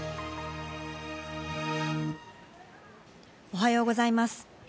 おはようございます。